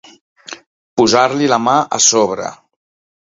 Posar-li la mà a sobre.